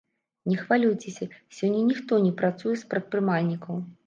Не хвалюйцеся, сёння ніхто не працуе з прадпрымальнікаў.